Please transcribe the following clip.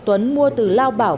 tuấn mua từ lao bảo